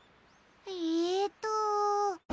えっと。